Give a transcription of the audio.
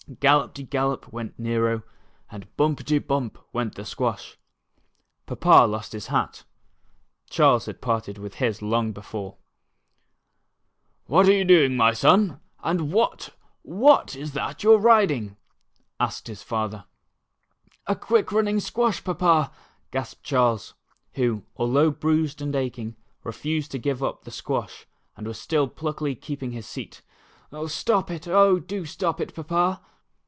"Gallopty gallop " went Xero and "bumpity bump " w^ent the squash. Papa lost his hat (Charles had parted with his long before]. A Quick Running Squash. 7 *'\Miat are you doing, my son. and what ii'hat is it vou are ridino ?" asked his father. "A quick running squash. Papa," gasped Charles, who. although bruised and aching, re fused to give up the squash, and was still pluckily keeping his seat "Stop it, oh, do stop it Papa."